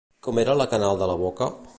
Com era la canal de la boca?